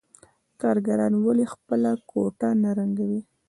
کارګران ولې خپله کوټه نه رنګوي